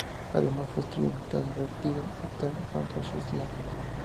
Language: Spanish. Además fue estrella invitada en "Riptide", "Hotel" y "Fantasy Island".